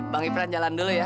bang ifran jalan dulu ya